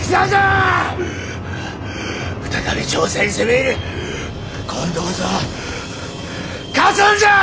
再び朝鮮に攻め入り今度こそ勝つんじゃ！